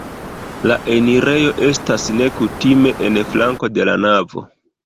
La enirejo estas nekutime en flanko de la navo.